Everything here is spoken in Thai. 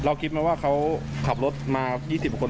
เราคิดมาว่าเขาขับรถมา๒๐คน